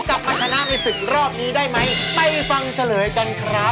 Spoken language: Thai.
กลับมาชนะในศึกรอบนี้ได้ไหมไปฟังเฉลยกันครับ